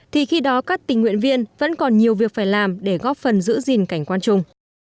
thì khi đó các tình nguyện viên vẫn còn nhiều việc phải làm để góp phần giữ gìn cảnh quan chung